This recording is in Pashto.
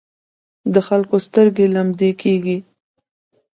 د خلکو سترګې لمدې کېږي.